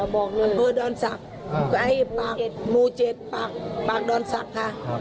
พื้นที่อาเฟิร์ดอลสักมูเจ็ดปากปากดอลสักค่ะ